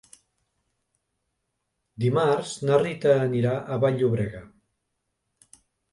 Dimarts na Rita anirà a Vall-llobrega.